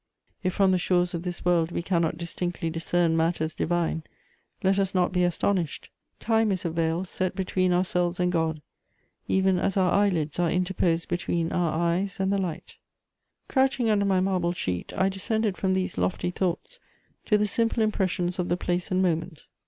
If from the shores of this world we cannot distinctly discern matters divine, let us not be astonished: time is a veil set between ourselves and God, even as our eyelids are interposed between our eyes and the light. [Sidenote: Reflections and release.] Crouching under my marble sheet, I descended from these lofty thoughts to the simple impressions of the place and moment.